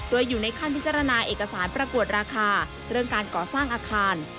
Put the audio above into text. โดยอยู่ในขั้นพิจารณาเอกสารประกวดราคาเรื่องการก่อสร้างอาคาร